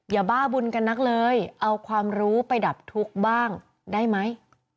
บ้าบุญกันนักเลยเอาความรู้ไปดับทุกข์บ้างได้ไหม